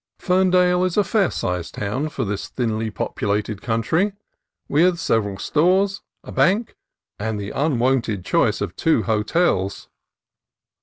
Ferndale is a fair sized town for this thinly populated country, with several stores, a bank, and the unwonted choice of two hotels.